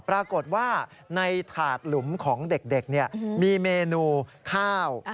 ปรากฏว่าในถาดหลุมของเด็กมีเมนูข้าว